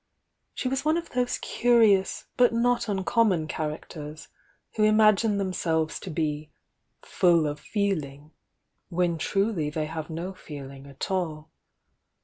She was one of those curious but not uncommon characters who imagme them selves to be "full of feeling," when truly they have no feeling at all.